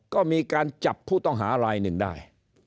ก็มีการจับผู้ต้องหารายหนึ่งได้